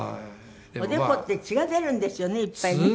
おでこって血が出るんですよねいっぱいね。